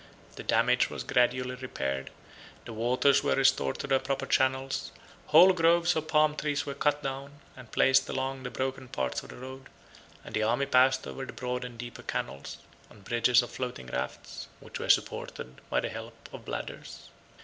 The damage was gradually repaired; the waters were restored to their proper channels; whole groves of palm trees were cut down, and placed along the broken parts of the road; and the army passed over the broad and deeper canals, on bridges of floating rafts, which were supported by the help of bladders.